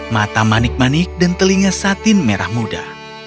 mata manik manik dan telinga satin merah muda